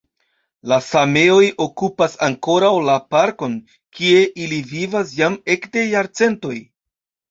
La sameoj okupas ankoraŭ la parkon, kie ili vivas jam ekde jarcentoj.